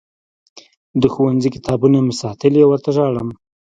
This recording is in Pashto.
د ښوونځي کتابونه مې ساتلي او ورته ژاړم